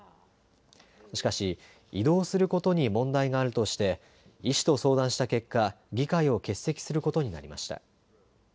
しかし移動することに問題があるとして医師と相談した結果、議会を欠席することになりました。